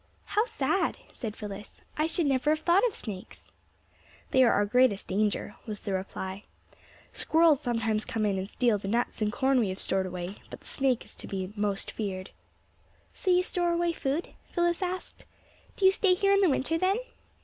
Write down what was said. "How sad!" said Phyllis. "I should never have thought of snakes!" "They are our greatest danger," was the reply. "Squirrels sometimes come in and steal the nuts and corn we have stored away, but the snake is the most to be feared." "So you store away food?" Phyllis asked. "Do you stay here in the winter, then?"